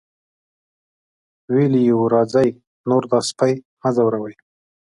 ویلي یې وو راځئ نور دا سپی مه ځوروئ.